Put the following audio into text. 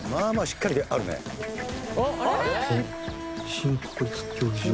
新国立競技場。